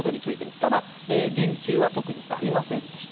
ただ、言及は特にありませんでした。